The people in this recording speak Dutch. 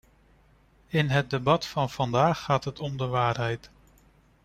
In het debat van vandaag gaat het om de waarheid.